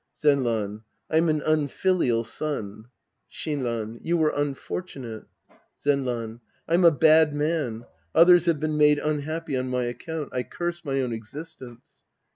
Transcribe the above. Zenran. I'm an unfilial son. Shinran. You were unfortunate. Zenran. I'm a bad man. Others have been made unhappy on my account. I curse my own existence.